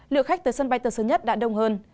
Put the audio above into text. lượng khách tới sân bay tầng sớm nhất đã đông hơn